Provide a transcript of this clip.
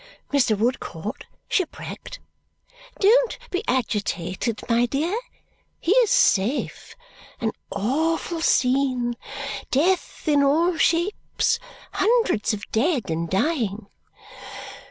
"Mr. Woodcourt shipwrecked!" "Don't be agitated, my dear. He is safe. An awful scene. Death in all shapes. Hundreds of dead and dying.